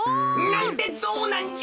なんでゾウなんじゃ！